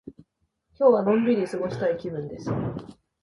今日はのんびり過ごしたい気分です。